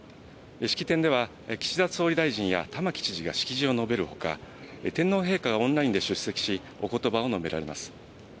式典では岸田総理大臣や玉城知事が式辞を述べるほか、天皇陛下がオンラインで出席し、おことばを述べられます。